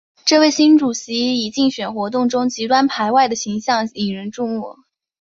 这位新主席以竞选活动中极端排外的形象引人注目。